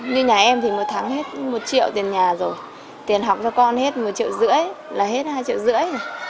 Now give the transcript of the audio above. như nhà em thì một tháng hết một triệu tiền nhà rồi tiền học cho con hết một triệu rưỡi là hết hai triệu rưỡi rồi